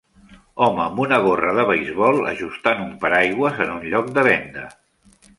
Home amb gorra de beisbol ajustant un paraigües en un lloc de venda.